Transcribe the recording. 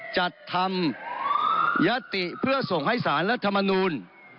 จัดทำยัตติเพื่อส่งให้สารรัฐมนูล